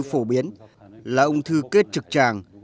phổ biến là ung thư kết trực tràng